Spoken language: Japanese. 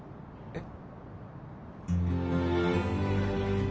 えっ？